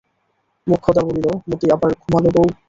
মোক্ষদা বলিল, মতি আবার ঘুমোল বৌ?